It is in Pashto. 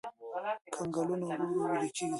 کنګلونه ورو ورو ويلي کېږي.